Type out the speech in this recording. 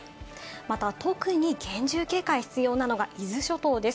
また、とくに厳重警戒、必要なのが伊豆諸島です。